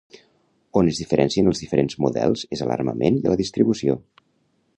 On es diferencien els diferents models és a l'armament i a la distribució.